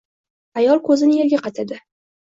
Ayol ko‘zini yerga qadadi